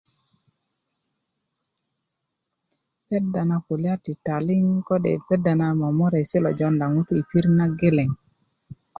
peda na kulya ti taliŋ kode peda na momoresi na jonda ŋutu i pirit nageleŋ